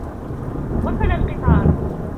وصل القطار.